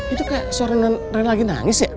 itu kayak soalnya rena lagi nangis ya